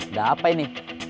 udah apa ini